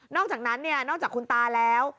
อกจากนั้นนอกจากคุณตาแล้ว